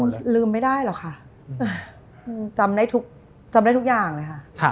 หึมลืมไม่ได้หรอกค่ะจำได้ทุกอย่างเลยค่ะ